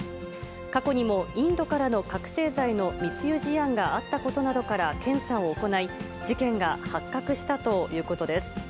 過去にも、インドからの覚醒剤の密輸事案があったことなどから、検査を行い、事件が発覚したということです。